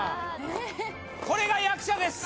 これが役者です